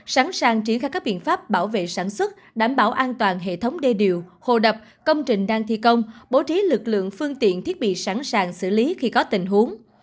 sẵn sàng triển khai các biện pháp bảo vệ sản xuất đảm bảo an toàn hệ thống đê điều hồ đập công trình đang thi công bố trí lực lượng phương tiện thiết bị sẵn sàng xử lý khi có tình huống